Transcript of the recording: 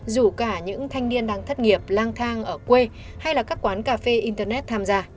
dù cả những thanh niên đang thất nghiệp lang thang ở quê hay là các quán cà phê internet tham gia